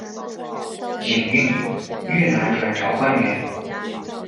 尹蕴，越南阮朝官员。